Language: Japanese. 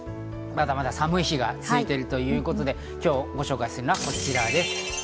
まだまだ寒い日が続いているということで、今日ご紹介するのがこちらです。